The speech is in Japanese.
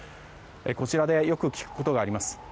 こちらでよく聞くことがあります。